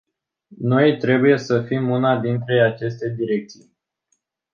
Noi trebuie să fim una dintre aceste direcții.